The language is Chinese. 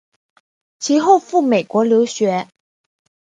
其后赴美国留学。